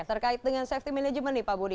terkait dengan safety management nih pak budi